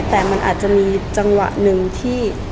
แต่มันอาจจะมีจังหวะหนึ่งที่